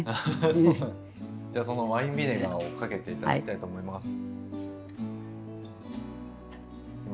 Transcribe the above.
じゃあそのワインビネガーをかけて頂きたいと思います。